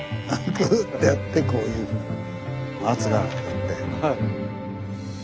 ぐっとやってこういう圧がかかって。